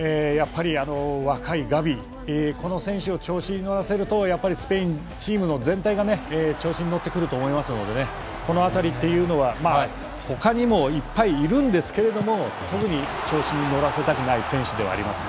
若いガビこの選手を調子に乗らせるとやっぱりスペインチームの全体が調子に乗ってくると思うのでこの辺りというのは他にもいっぱいいるんですけども特に調子に乗らせたくない選手ではあります。